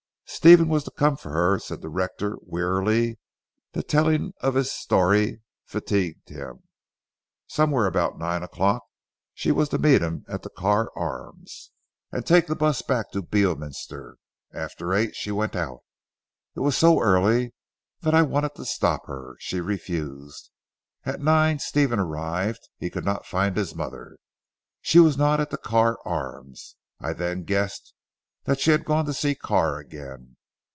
"Stephen was to come for her," said the rector wearily; the telling of this story fatigued him. "Somewhere about nine o'clock she was to meet him at the Carr Arms, and take the bus back to Beorminster. After eight she went out. It was so early that I wanted her to stop. She refused. At nine Stephen arrived. He could not find his mother. She was not at the Carr Arms. I then guessed that she had gone to see Carr again.